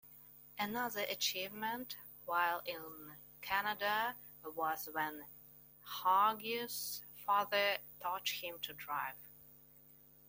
Another achievement while in Canada was when Hague's father taught him to drive.